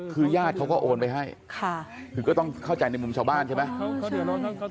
คือญาติเขาก็โอนไปให้คือก็ต้องเข้าใจในมุมชาวบ้านใช่ไหม